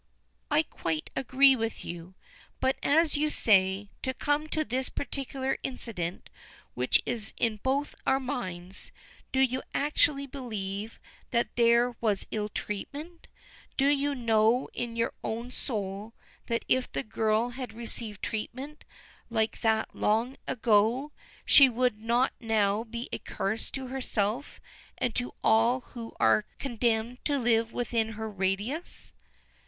"I quite agree with you; but, as you say, to come to this particular incident which is in both our minds, do you actually believe that there was ill treatment? Don't you know in your own soul that if the girl had received treatment like that long ago she would not now be a curse to herself and to all who are condemned to live within her radius?"